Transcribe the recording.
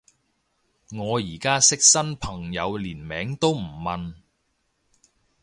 我而家識新朋友連名都唔問